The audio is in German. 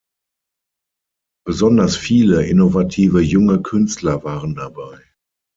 Besonders viele innovative junge Künstler waren dabei.